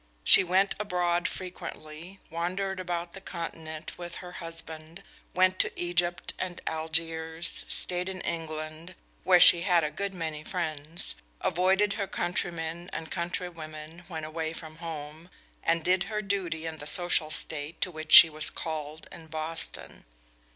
She went abroad frequently, wandered about the continent with her husband, went to Egypt and Algiers, stayed in England, where she had a good many friends, avoided her countrymen and countrywomen when away from home, and did her duty in the social state to which she was called in Boston.